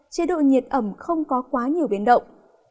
chế độ nhiệt ẩm không có quá nhiều biến động